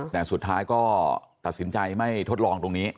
แต่สุดท้ายก็ตัดสินใจไม่ทดลองตรงนี้